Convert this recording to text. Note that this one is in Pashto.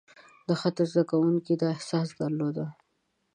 د خط زده کوونکي دا احساس درلود.